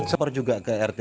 saper juga ke rt